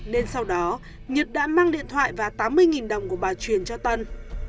nên sau đó nhật đã mang điện thoại và tám mươi đồng của bà truyền cho tân